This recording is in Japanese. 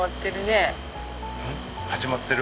始まってる？